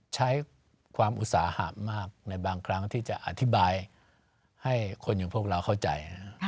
ใช้ความอุตสาหะมากในบางครั้งที่จะอธิบายให้คนอย่างพวกเราเข้าใจ